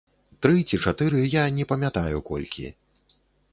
Тры ці чатыры, я не памятаю, колькі.